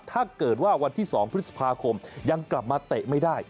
ถ้าเกิดว่าวันที่๒พฤษภาคมยังกลับมาเตะไม่ได้